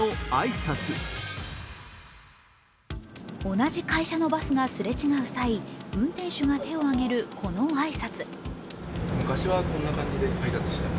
同じ会社のバスがすれ違う際運転手が手を上げるこの挨拶。